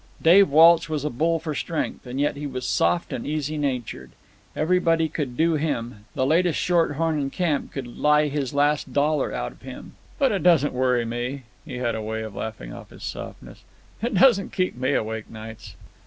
"Dave Walsh was a bull for strength. And yet he was soft and easy natured. Anybody could do him, the latest short horn in camp could lie his last dollar out of him. 'But it doesn't worry me,' he had a way of laughing off his softness; 'it doesn't keep me awake nights.